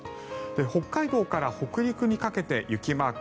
北海道から北陸にかけて雪マーク。